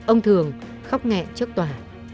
ông thường khóc nghẹn trước tòa